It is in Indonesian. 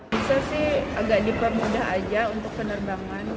bisa sih agak dipermudah aja untuk penerbangan